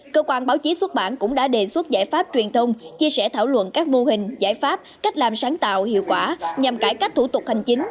cơ quan báo chí xuất bản cũng đã đề xuất giải pháp truyền thông chia sẻ thảo luận các mô hình giải pháp cách làm sáng tạo hiệu quả nhằm cải cách thủ tục hành chính